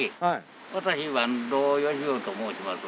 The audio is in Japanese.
私坂東良男と申します。